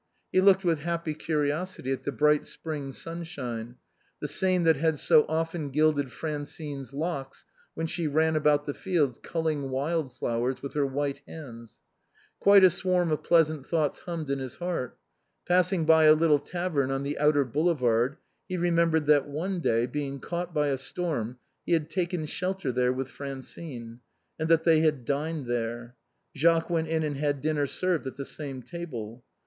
He looked with happy curiosity at the bright spring sunshine, the same that had so often gilded Francine's locks when she ran about the fields culling wild flowers with her white hands. Quite a swarm of pleasant thoughts hummed in his heart. Passing by a little tavern on the outer Boule vard he remembered that one day, being caught by a storm, he had taken shelter there with Francine, and that they had dined there. Jacques went in and had dinner served at the same table.